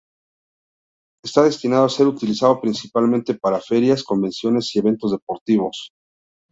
Está destinado a ser utilizado principalmente para ferias, convenciones y eventos deportivos.